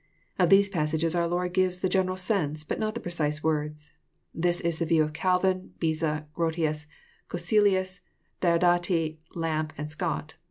Of these passages our Lord gives the general sense, but not the precise words. This is the view of Calvin, Beza, Grotius, Cocceius, Diodati, Lampe, and Scott.